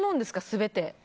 全て。